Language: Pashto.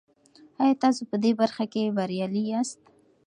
آیا تاسو په دې برخه کې بریالي یاست؟